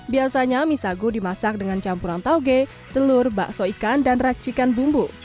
biasanya mie sagu dimasak dengan campuran tauge telur bakso ikan dan racikan bumbu